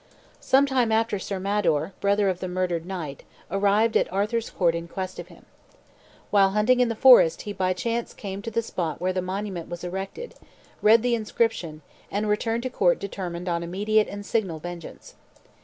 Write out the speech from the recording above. Some time after Sir Mador, brother of the murdered knight, arrived at Arthur's court in quest of him. While hunting in the forest he by chance came to the spot where the monument was erected, read the inscription, and returned to court determined on immediate and signal vengeance.